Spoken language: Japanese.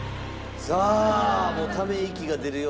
さあもうため息が出るような。